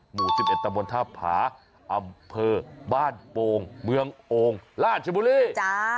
หมู่๑๑ตะบนท่าผาอำเภอบ้านโป่งเมืองโอ่งราชบุรีจ้า